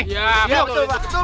iya betul betul betul